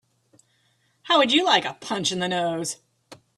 How would you like a punch in the nose?